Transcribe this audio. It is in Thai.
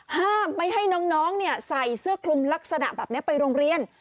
ห้ามไม่ให้น้องใส่เสื้อคลุมลักษณะแบบนี้ไปโรงเรียน